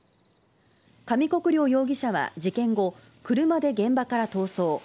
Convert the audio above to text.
上國料容疑者は事件後、車で現場から逃走。